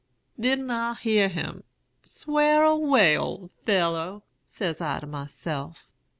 Didn't I hear him? Swar away, ole fellow! says I to myself.